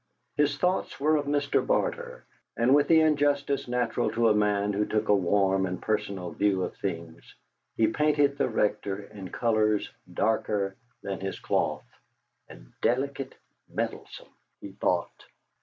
His thoughts were of Mr. Barter, and with the injustice natural to a man who took a warm and personal view of things, he painted the Rector in colours darker than his cloth. '.ndelicate, meddlesome,' he thought.